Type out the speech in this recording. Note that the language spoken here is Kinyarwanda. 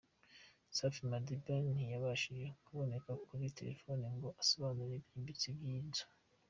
Safi Madiba ntiyabashije kuboneka kuri telefone ngo asobanure byimbitse iby’iyi nzu.